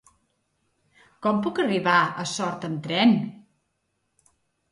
Com puc arribar a Sort amb tren?